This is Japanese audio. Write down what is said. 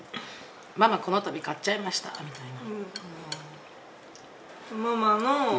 ママこのたび買っちゃいましたみたいな。